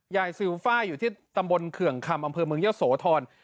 ซิลฟ่าอยู่ที่ตำบลเขื่องคำอำเภอเมืองเยอะโสธร